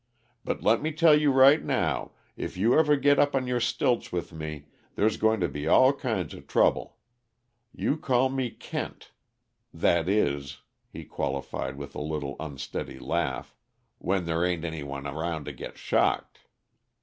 "But let me tell you right now, if you ever get up on your stilts with me, there's going to be all kinds of trouble. You call me Kent that is," he qualified, with a little, unsteady laugh, "when there ain't any one around to get shocked."